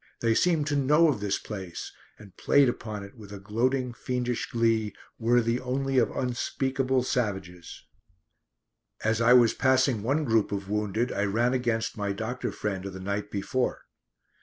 They seemed to know of this place and played upon it with a gloating, fiendish glee worthy only of unspeakable savages. As I was passing one group of wounded, I ran against my doctor friend of the night before.